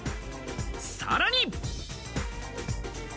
さらに。